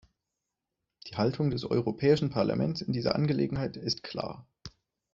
Die Haltung des Europäischen Parlaments in dieser Angelegenheit ist klar.